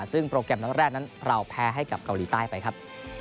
ซึ่งโปรแกรมนัดแรกนั้นเราแพ้ให้กับเกาหลีใต้ไปครับ